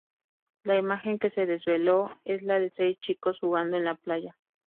La imagen que se desveló es la de seis chicos jugando en la playa.